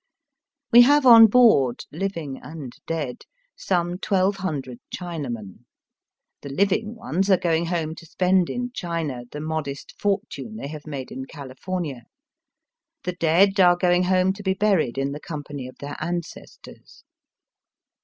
We have on board, living and dead, some twelve hundred Chinamen. The Hving ones are going home to spend in China the modest fortune they have made in California. The dead are going home to be buried in the company of their ancestors.